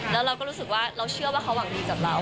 แล้วเราก็รู้สึกว่าเราเชื่อว่าเขาหวังดีกับเรา